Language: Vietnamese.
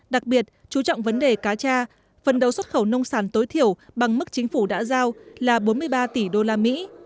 đặc biệt chú trọng vấn đề cá cha phần đầu xuất khẩu nông sản tối thiểu bằng mức chính phủ đã giao là bốn mươi ba tỷ usd